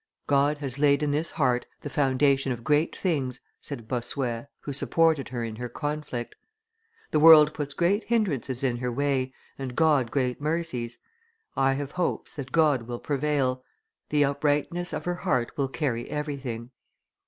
"God has laid in this heart the foundation of great things," said Bossuet, who supported her in her conflict: "the world puts great hinderances in her way and God great mercies; I have hopes that God will prevail; the uprightness of her heart will carry everything."